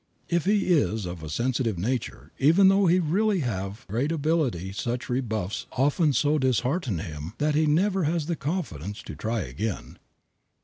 If he is of a sensitive nature even though he really have great ability such rebuffs often so dishearten him that he never has the confidence to try again.